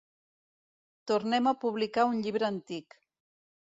Tornem a publicar un llibre antic.